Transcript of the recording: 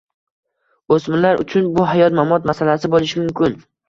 O‘smirlar uchun bu hayot-mamot masalasi bo‘lishi mumkin.